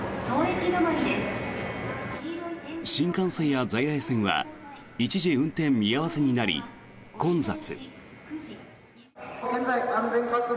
新幹線や在来線は一時運転見合わせになり、混雑。